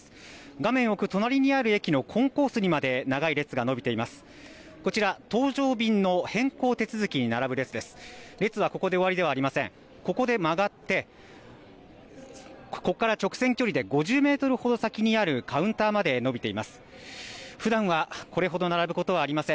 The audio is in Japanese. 画面奥、隣にある駅のコンコースにまで長い列が伸びています。